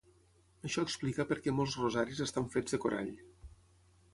Això explica perquè molts rosaris estan fets de corall.